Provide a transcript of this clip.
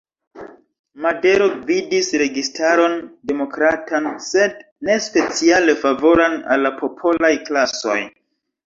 Madero gvidis registaron demokratan, sed ne speciale favoran al la popolaj klasoj.